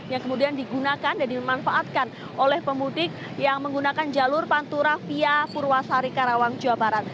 yang kemudian digunakan dan dimanfaatkan oleh pemudik yang menggunakan jalur pantura via purwasari karawang jawa barat